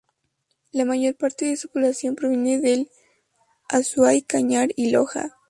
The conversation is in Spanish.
La mayor parte de su población proviene del Azuay, Cañar y Loja.